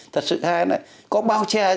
thật sự hay là có bao che